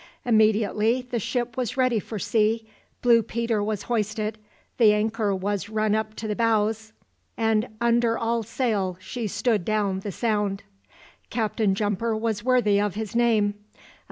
Immediately the ship was ready for sea, Blue Peter was hoisted, the anchor was run up to the bows, and under all sail she stood down the Sound. Captain Jumper was worthy of his name.